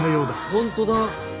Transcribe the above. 本当だ。